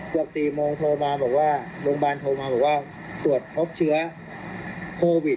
เกือบ๔โมงก็โทรมาบอกว่าบ้านโทรมาว่าตรวจพบเชื้อโควิด